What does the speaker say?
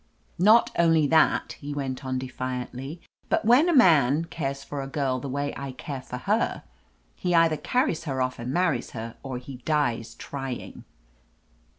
"Not only that," he went on defiantly, "but when a man cares for a girl the way I care for 318 1 r OF LETITIA CARBERRY — ^her, he either carries her off and marries her or he dies trying."